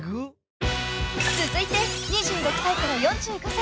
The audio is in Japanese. ［続いて２６歳から４５歳］